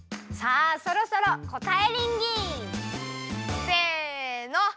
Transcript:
さあそろそろこたえりんぎ！せの！